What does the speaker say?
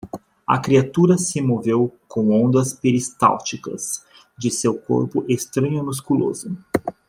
A criatura se moveu com ondas peristálticas de seu corpo estranho e musculoso.